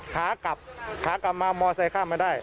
ขากลับมามอเซย์ข้ามไม่ได้